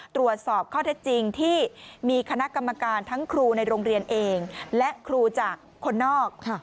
ตรวจสอบข้อเท็จจริงที่มีคณะกรรมการทั้งครูในโรงเรียนเองและครูจากคนนอก